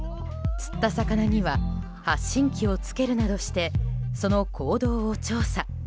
釣った魚には発信機をつけるなどしてその行動を調査。